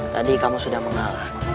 tadi kamu sudah mengalah